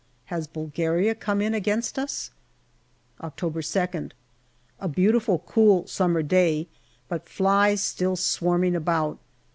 Has Bulgaria come in against us ? October 2nd. A beautiful cool summer day, but flies still swarming about.